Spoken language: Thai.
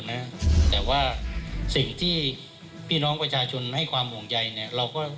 นะแต่ว่าสิ่งที่พี่น้องประชาชนให้ความห่วงใยเนี่ยเราก็